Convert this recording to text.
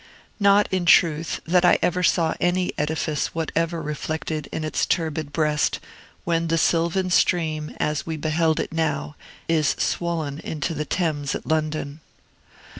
Not, in truth, that I ever saw any edifice whatever reflected in its turbid breast, when the sylvan stream, as we beheld it now, is swollen into the Thames at London.